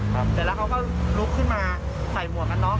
แต่แล้วเขาก็ลุกขึ้นมาใส่หมวกกับน้อง